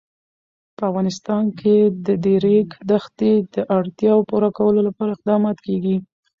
په افغانستان کې د د ریګ دښتې د اړتیاوو پوره کولو لپاره اقدامات کېږي.